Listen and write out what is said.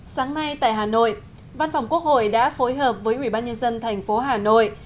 sáng nay tại hà nội văn phòng quốc hội đã phối hợp với ubnd tp hà nội